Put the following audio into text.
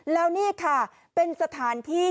แล้วนี่ค่ะเป็นสถานที่